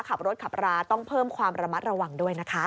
ขับรถขับราต้องเพิ่มความระมัดระวังด้วยนะคะ